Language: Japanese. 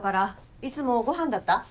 いつもご飯だった？